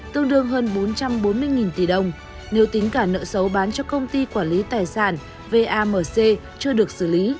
tương đương hơn bốn trăm bốn mươi tỷ đồng nếu tính cả nợ xấu bán cho công ty quản lý tài sản vamc chưa được xử lý